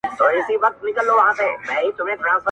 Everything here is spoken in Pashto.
سېل د زاڼو پر ساحل باندي تیریږي،